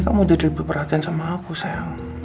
kamu jadi lebih perhatian sama aku sayang